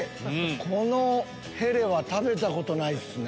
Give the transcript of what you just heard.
このへれは食べたことないっすね。